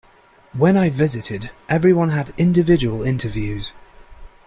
When I visited everyone had individual interviews.